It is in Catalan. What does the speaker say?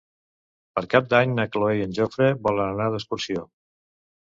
Per Cap d'Any na Cloè i en Jofre volen anar d'excursió.